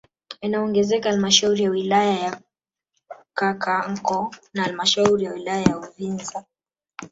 Inaongezeka halmashauri ya wilaya ya Kakonko na halmashauri ya wilaya ya Uvinza